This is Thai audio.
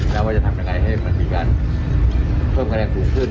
แล้วว่าจะทำยังไงให้มันมีการเพิ่มคะแนนสูงขึ้น